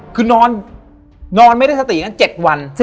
คือนอนไม่ได้สติอย่างนั้น๗วัน